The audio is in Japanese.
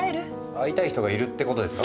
会いたい人がいるってことですか？